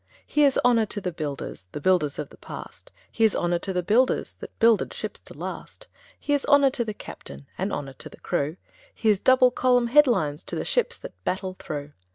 Here's honour to the builders – The builders of the past; Here's honour to the builders That builded ships to last; Here's honour to the captain, And honour to the crew; Here's double column headlines To the ships that battle through.